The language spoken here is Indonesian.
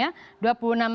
makin turun ya